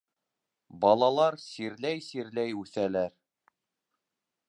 — Балалар сирләй-сирләй үҫәләр.